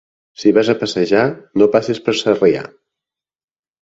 Si vas a passejar, no passis per Sarrià.